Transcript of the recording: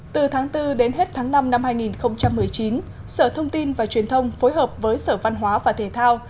từ tháng bốn đến hết tháng năm năm hai nghìn một mươi chín sở thông tin và truyền thông phối hợp với sở văn hóa và thể thao